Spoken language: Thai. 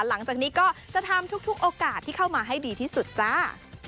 หลังจากนี้ก็จะทำทุกโอกาสที่เข้ามาให้ดีที่สุดจ้า